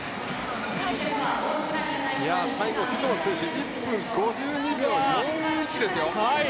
最後、ティットマス選手１分５２秒４１ですよ。